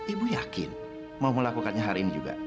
ibu yakin mau melakukannya hari ini juga